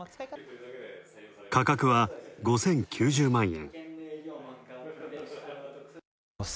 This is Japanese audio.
価格は５０９０万円。